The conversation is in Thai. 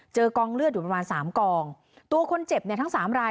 กองเลือดอยู่ประมาณสามกองตัวคนเจ็บเนี่ยทั้งสามราย